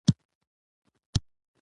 دښمنان تار په تار سول.